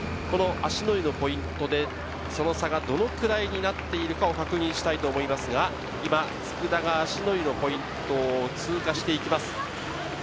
この芦之湯のポイントで、その差がどのくらいになっているかを確認したいと思いますが、今、佃が芦之湯のポイントを通過していきます。